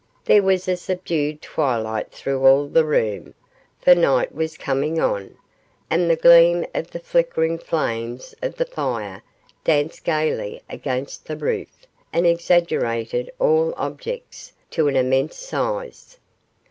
There was a subdued twilight through all the room, for the night was coming on, and the gleam of the flickering flames of the fire danced gaily against the roof and exaggerated all objects to an immense size.